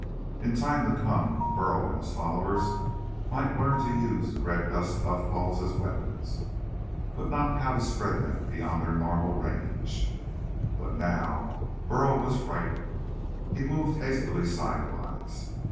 In time to come, Burl and his followers might learn to use the red dust puffballs as weapons but not how to spread them beyond their normal range. But now, Burl was frightened. He moved hastily sidewise.